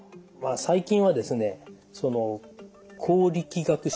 最近はですね光力学診断